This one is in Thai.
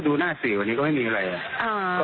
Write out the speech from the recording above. ก็ดูหน้าสีกว่านี้ก็ไม่มีอะไร